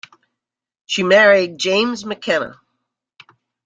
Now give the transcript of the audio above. She married James McKenna.